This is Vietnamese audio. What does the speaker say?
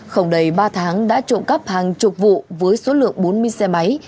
không đầy ba tháng đã trộm cắp hàng chục vụ với số lượng bốn mươi xe máy